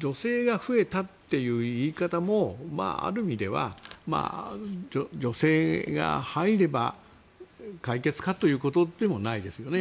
女性が増えたという言い方もある意味では女性が入れば解決かということでもないですよね。